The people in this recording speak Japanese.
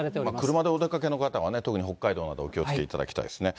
車でお出かけの方はね、特に北海道などお気をつけいただきたいですね。